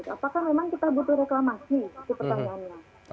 apakah memang kita butuh reklamasi itu pertanyaannya